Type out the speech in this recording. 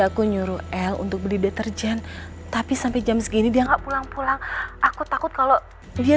aku nyuruh l untuk beli deterjen tapi sampai jam segini anak herbal aku takut kalau dia